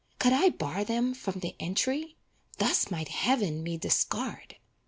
Could I bar them from the entry? Thus might Heaven me discard.